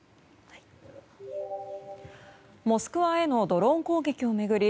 モスクワへのドローン攻撃を巡り